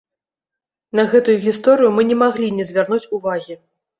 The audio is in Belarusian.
На гэтую гісторыю мы не маглі не звярнуць увагі.